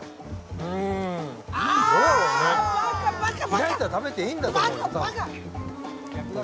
開いたら、食べていいんだと思うよ。